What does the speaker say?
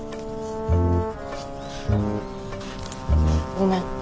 ごめん。